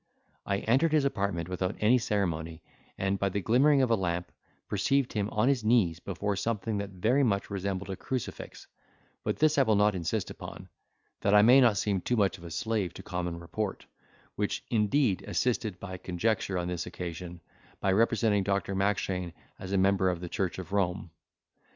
I entered his apartment without any ceremony, and, by the glimmering of a lamp, perceived him on his knees before something that very much resembled a crucifix; but this I will not insist upon, that I may not seem too much a slave to common report, which indeed assisted my conjecture on this occasion, by representing Dr. Mackshane as a member of the church of Rome.